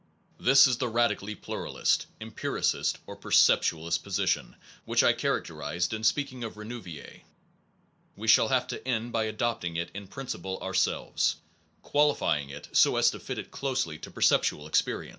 This is the radically pluralist, empiricist, or perceptualist position, which I characterized in speaking of Renouvier (above, pages 164 165). We shall have to end by adopt ing it in principle ourselves, qualifying it so as to fit it closely to perceptual experience.